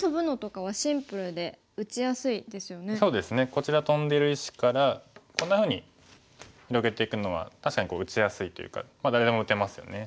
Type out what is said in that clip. こちらトンでる石からこんなふうに広げていくのは確かに打ちやすいというか誰でも打てますよね。